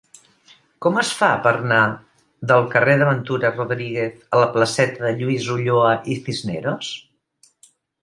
Com es fa per anar del carrer de Ventura Rodríguez a la placeta de Lluís Ulloa i Cisneros?